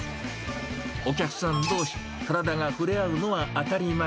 お客さんどうし体が触れ合うのは当たり前。